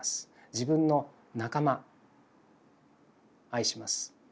自分の仲間愛します。